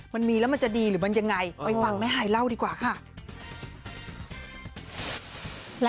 มันมีแล้วมันจะดีหรือมันยังไงไปฟังแม่ฮายเล่าดีกว่าค่ะ